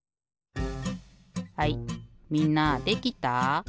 はいみんなできた？